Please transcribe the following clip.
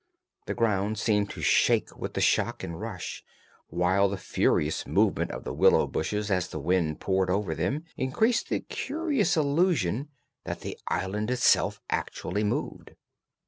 The ground seemed to shake with the shock and rush, while the furious movement of the willow bushes as the wind poured over them increased the curious illusion that the island itself actually moved.